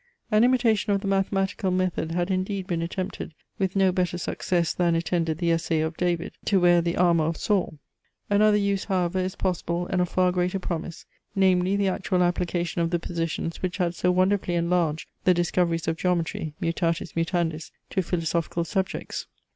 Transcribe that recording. An imitation of the mathematical method had indeed been attempted with no better success than attended the essay of David to wear the armour of Saul. Another use however is possible and of far greater promise, namely, the actual application of the positions which had so wonderfully enlarged the discoveries of geometry, mutatis mutandis, to philosophical subjects.